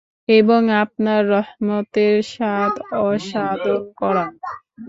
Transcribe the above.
এবং আপনার রহমতের স্বাদ আস্বাদন করান!